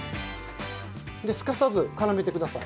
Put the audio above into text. すかさず、絡めてください。